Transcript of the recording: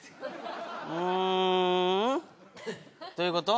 うーん？どういうこと？